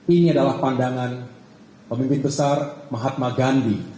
ini adalah pandangan pemimpin besar mahatma gandhi